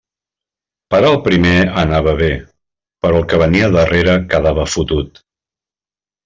Per al primer anava bé, però el que venia darrere quedava fotut.